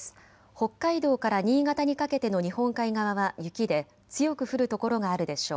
北海道から新潟にかけての日本海側は雪で強く降る所があるでしょう。